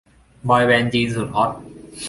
บอยแบนด์จีนสุดฮอต